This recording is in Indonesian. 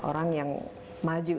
orang yang maju